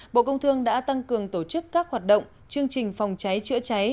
bộ công thương đã tăng cường tổ chức các hoạt động chương trình phòng cháy chữa cháy